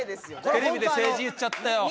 テレビで政治言っちゃったよ。